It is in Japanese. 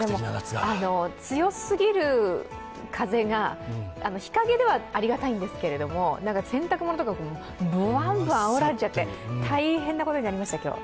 強すぎる風が日陰ではありがたいんですけれども、洗濯物とかぶわんぶわんあおられちゃって、大変なことになりました今日。